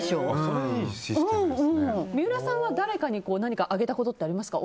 三浦さんは誰かに何かあげたことってありますか。